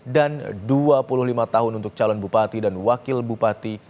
dan dua puluh lima tahun untuk calon bupati dan wakil bupati